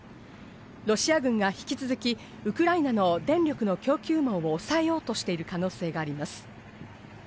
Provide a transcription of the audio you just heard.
ロシア軍が引き続きウクライナの電力の供給網を抑えようとしている可能性があります。